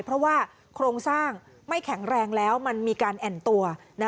เพราะว่าโครงสร้างไม่แข็งแรงแล้วมันมีการแอ่นตัว